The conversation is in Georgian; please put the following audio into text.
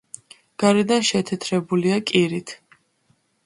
გარედან შეთეთრებულია კირით.